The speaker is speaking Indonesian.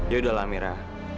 yaudah lah amira